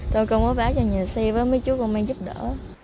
thôi con mới báo cho nhà xe với mấy chú con mang giúp đỡ